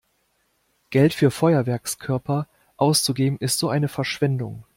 Geld für Feuerwerkskörper auszugeben ist so eine Verschwendung!